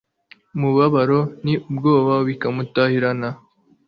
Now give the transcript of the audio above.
umubabaro n'ubwoba bikamutahirana